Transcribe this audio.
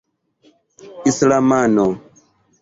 islamano